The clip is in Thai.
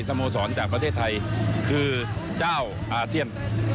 โมสรจากประเทศไทยคือเจ้าอาเซียน